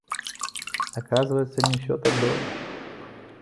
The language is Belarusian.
Аказваецца, не ўсё так добра.